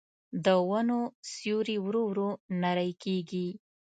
د ونو سیوري ورو ورو نری کېږي